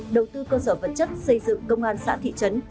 đầu tư cơ sở vật chất xây dựng công an xã thị trấn